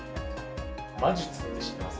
魔術って知ってます？